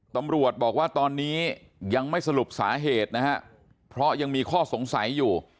ตำรวจบอกว่าตอนนี้ยังไม่สรุปสาเหตุนะฮะเพราะยังมีข้อสงสัยอยู่